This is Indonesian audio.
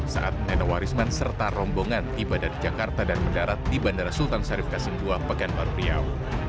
saat nenowarisman serta rombongan ibadat jakarta dan mendarat di bandara sultan sarif kasingua pekanbaru riau